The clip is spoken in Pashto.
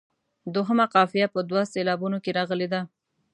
دوهمه قافیه په دوو سېلابونو کې راغلې ده.